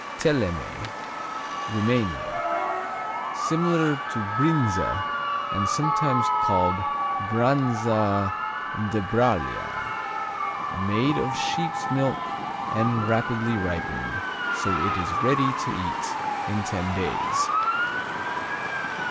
Teleme Rumania Similar to Brinza and sometimes called Branza de Bralia. Made of sheep's milk and rapidly ripened, so it is ready to eat in ten days.